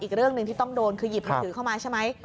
อีกเรื่องหนึ่งที่ต้องโดนคือหยิบมือถือเข้ามาใช่ไหม